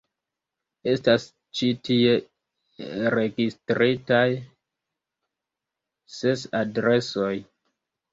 Estas ĉi tie registritaj ses adresoj.